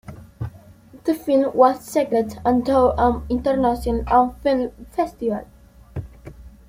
The film was screened at the Stockholm International Film Festival.